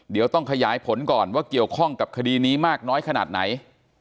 เดี๋ยวต้องขยายผลก่อนว่าเกี่ยวข้องกับคดีนี้มากน้อยขนาดไหน